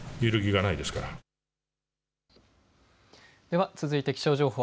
では、続いて気象情報。